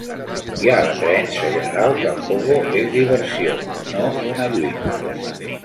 Hi ha la creença general que el pogo és diversió, no una lluita.